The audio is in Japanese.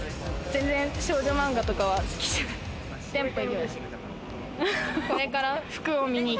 全然、少女漫画とかは好きじゃない。